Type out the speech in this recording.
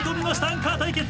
アンカー対決。